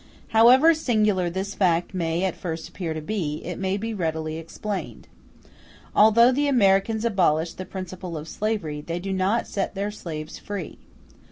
However singular this fact may at first appear to be, it may readily be explained. Although the Americans abolish the principle of slavery, they do not set their slaves free.